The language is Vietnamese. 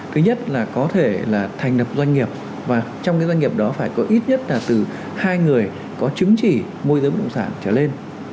thứ nhất là có thể là thành lập doanh nghiệp và trong cái doanh nghiệp đó phải có ít nhất là từ hai người có chứng chỉ môi giới bất động sản trở lên